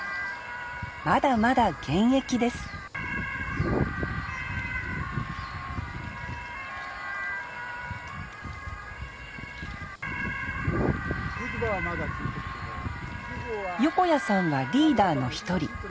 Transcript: まだまだ現役です横家さんはリーダーの一人。